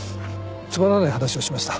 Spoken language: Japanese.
つまらない話をしました。